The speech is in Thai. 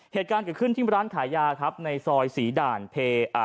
เหตุการณ์เกิดขึ้นที่ร้านขายยาครับในซอยศรีด่านพอ